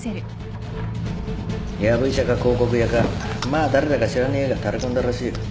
藪医者か広告屋かまあ誰だか知らねえがタレコんだらしい。